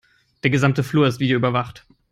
Der gesamte Flur ist videoüberwacht.